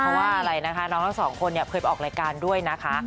เพราะว่าอะไรนะคะน้องทั้งสองคนเนี่ยเคยไปออกรายการด้วยนะคะ